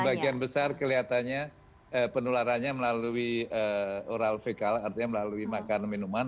sebagian besar kelihatannya penularannya melalui oral vekal artinya melalui makan minuman